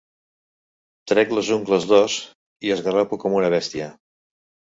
Trec les ungles d'ós i esgarrapo com una bèstia.